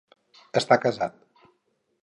Està casat.